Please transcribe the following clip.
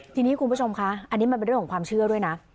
ทีนี้คุณผู้ชมคะอันนี้มันเป็นเรื่องของความเชื่อด้วยนะ